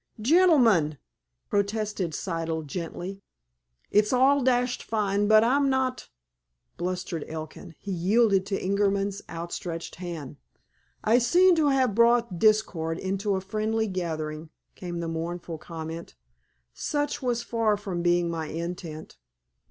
"Gentlemen!" protested Siddle gently. "It's all dashed fine, but I'm not—" blustered Elkin. He yielded to Ingerman's outstretched hand. "I seem to have brought discord into a friendly gathering," came the mournful comment. "Such was far from being my intent.